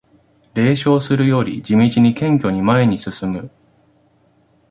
冷笑するより地道に謙虚に前に進む